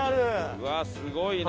うわあすごいな。